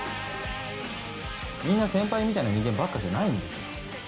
みんな先輩みたいな人間ばっかじゃないんですよ。